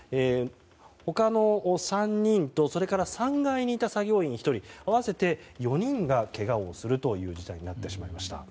他の３人とそれから３階にいた作業員１人合わせて４人がけがをするという事態になってしまいました。